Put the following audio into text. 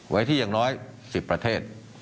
ไว้ที่อย่างน้อย๑๐ประเทศ